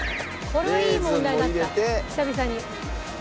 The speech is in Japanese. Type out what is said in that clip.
これはいい問題だった久々に。